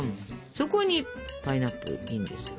そこにパイナップルインですよ。